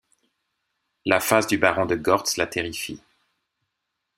La face du baron de Gortz la terrifie...